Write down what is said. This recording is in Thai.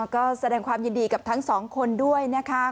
ก็แสดงความยินดีกับทั้งสองคนด้วยนะคะ